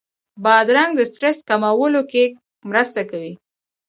بادرنګ د سټرس کمولو کې مرسته کوي.